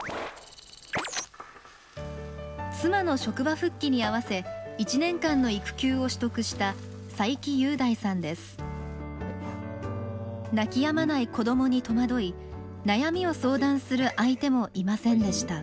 妻の職場復帰にあわせ１年間の育休を取得した泣きやまない子どもに戸惑い悩みを相談する相手もいませんでした。